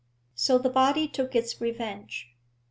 So the body took its revenge.